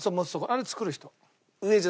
あれを作る人。